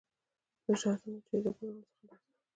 د شاتو مچۍ د ګلانو څخه رس اخلي.